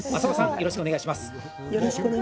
よろしくお願いします。